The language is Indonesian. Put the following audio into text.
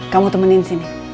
kamu temenin sini